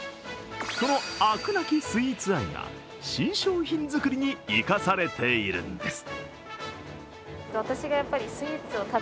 その飽くなきスイーツ愛が新商品作りに生かされているんです。